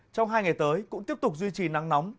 trong hai ngày tới cũng tiếp tục duy trì nắng nóng